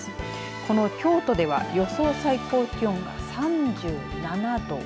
この京都では予想最高気温が３７度。